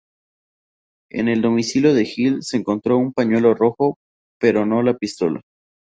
En el domicilio de Hill se encontró un pañuelo rojo, pero no la pistola.